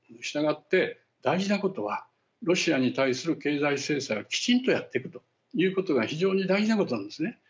したがって大事なことはロシアに対する経済制裁をきちんとやっていくということが非常に大事なことなんですね。